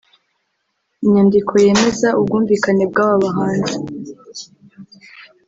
Inyandiko yemeza ubwumvikane bw’aba bahanzi